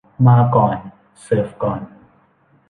มาก่อน เสิร์ฟก่อน